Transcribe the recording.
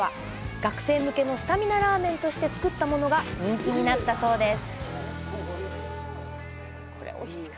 学生向けのスタミナラーメンとして作ったものが人気になったそうです。